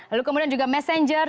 lalu kemudian juga messenger